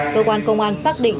cơ quan công an xác định